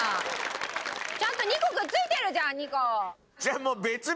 ちゃんと２個くっついてるじゃん２個。